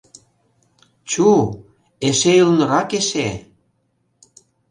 Чу, эше ӱлнырак эше...